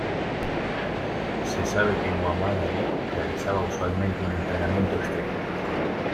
Se sabe que Muhammad Ali realizaba usualmente un entrenamiento extremo.